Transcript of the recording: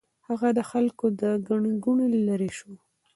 هغه د خلکو له ګڼې ګوڼې لرې شو.